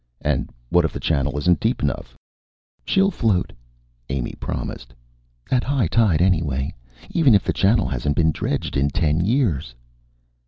"And what if the channel isn't deep enough?" "She'll float," Amy promised. "At high tide, anyway. Even if the channel hasn't been dredged in ten years."